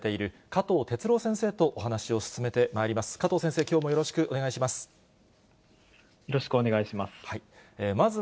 加藤先生、よろしくお願いします。